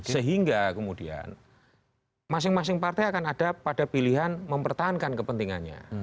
sehingga kemudian masing masing partai akan ada pada pilihan mempertahankan kepentingannya